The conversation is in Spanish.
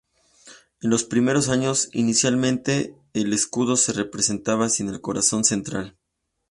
En los primeros años, inicialmente el escudo se representaba sin el corazón central.